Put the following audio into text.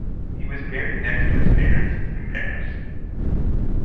He was buried next to his parents in Paris.